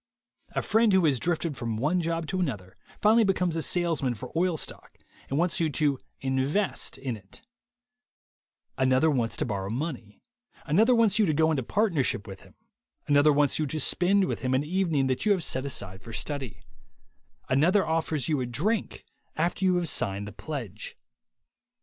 A friend who has drifted from one job to another, finally becomes a salesman for oil stock, and wants you to "invest" in it; another wants to borrow money; another wants you to go into partnership with him ; another wants you to spend with him an evening that you have set aside for study; another offers you a drink after you have signed the pledge.